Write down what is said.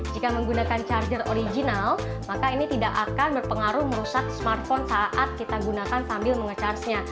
jika menggunakan charger original maka ini tidak akan berpengaruh merusak smartphone saat kita gunakan sambil menge charge nya